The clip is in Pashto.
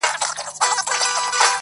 لیري یې بوتلمه تر کوره ساه مي ودرېده -